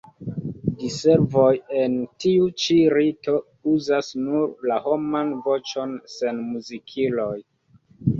Diservoj en tiu ĉi rito uzas nur la homan voĉon sen muzikiloj.